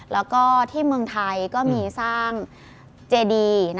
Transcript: แล้วก็ที่เมืองไทยก็มีสร้างเจดี